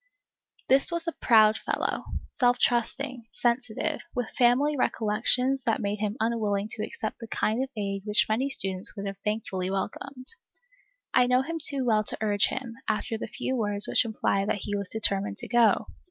This was a proud fellow, self trusting, sensitive, with family recollections that made him unwilling to accept the kind of aid which many students would have thankfully welcomed. I knew him too well to urge him, after the few words which implied that he was determined to go.